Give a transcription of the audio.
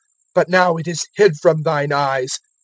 But now it is hid from thine eyes.